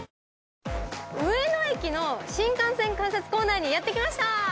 上野駅の新幹線改札構内にやって来ました。